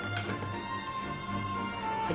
はい。